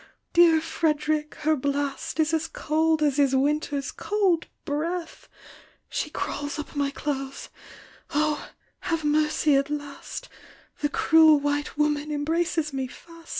dear Fred'rick, her blast Is as cold as is winter's cold breath ! She crawls up my clothes — oh ! have mercy at last, The cruel white woman embraces me fast!